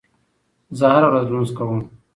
زه هره ورځ لمونځ کوم.